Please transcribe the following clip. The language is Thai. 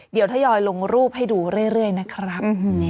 เดี๋ยวทยอยลงรูปให้ดูเรื่อยนะครับ